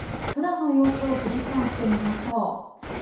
空の様子を振り返ってみましょう。